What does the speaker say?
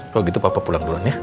kalau gitu papa pulang duluan ya